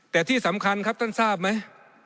แต่ที่สำคัญครับท่านทราบไหม